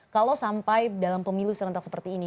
kalau sampai dalam pemilu serentak seperti ini